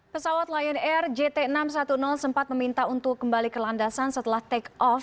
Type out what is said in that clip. pesawat lion air jt enam ratus sepuluh sempat meminta untuk kembali ke landasan setelah take off